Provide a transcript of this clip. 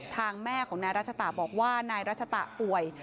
แม่ของนายรัชตะบอกว่านายรัชตะป่วย